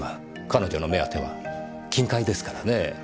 彼女の目当ては金塊ですからねぇ。